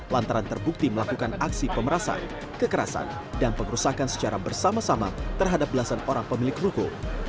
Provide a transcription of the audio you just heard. lantaran terbukti melakukan aksi pemerasan kekerasan dan pengerusakan secara bersama sama terhadap belasan orang pemilik ruko